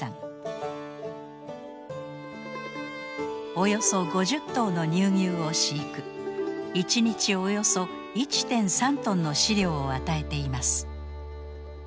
およそ５０頭の乳牛を飼育一日およそ１．３トンの飼料を与えています。